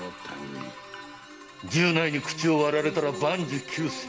十内に口を割られたら万事休す！